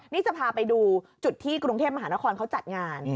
นี่จะพาไปดูจุดที่กรุงเทพมหานครเขาจัดงาน